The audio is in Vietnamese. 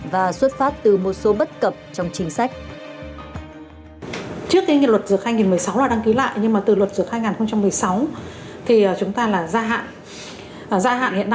và xuất phát từ một số bất cập trong chính sách